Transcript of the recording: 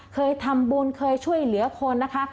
เคยทำบุญเคยช่วยเหลือคนนะคะ